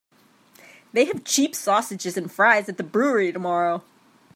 They have cheap sausages and fries at the brewery tomorrow.